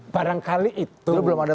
barangkali itu belum ada